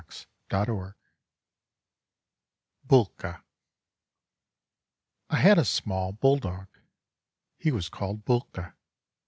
"[Pg 51] BÚLKA I had a small bulldog. He was called Búlka.